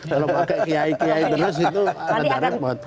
kalau pakai kiai kiai terus itu agak repot